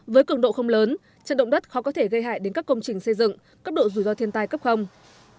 với cường độ không lớn trận động đất khó có thể gây hại đến các công trình xây dựng cấp độ rủi ro thiên tai cấp